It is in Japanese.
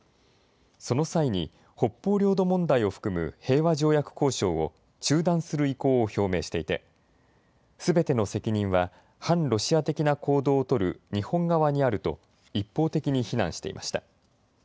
その際に北方領土問題を含む平和条約交渉を中断する意向を表明していてすべての責任は反ロシア的な行動を取る日本側にあると一方的に非難していました。